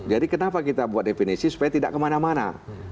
jadi kenapa kita buat definisi supaya tidak kemana mana